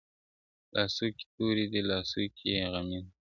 لاسو كې توري دي لاسو كي يې غمى نه دی.